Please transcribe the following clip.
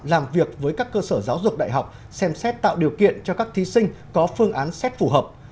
làm việc với các cơ sở giáo dục đại học xem xét tạo điều kiện cho các thí sinh có phương án xét phù hợp